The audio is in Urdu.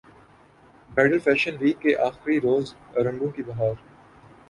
برائیڈل فیشن ویک کے اخری روز رنگوں کی بہار